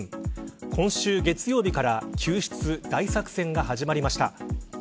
今週月曜日から救出大作戦が始まりました。